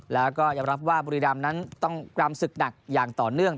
แล้วก็ยอมรับว่าบุรีรำนั้นต้องกรำศึกหนักอย่างต่อเนื่อง